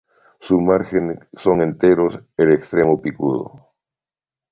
Sus márgenes son enteros, el extremo picudo.